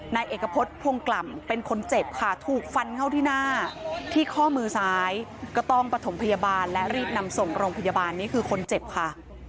นายเอกพฤษพงกล่ำเป็นคนเจ็บค่ะถูกฟันเข้าที่หน้าที่ข้อมือซ้ายก็ต้องประถมพยาบาลและรีบนำส่งโรงพยาบาลนี่คือคนเจ็บค่ะ